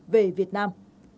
về việt nam